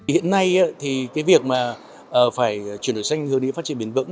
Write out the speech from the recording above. hiện nay việc chuyển đổi xanh hướng đi phát triển bình vững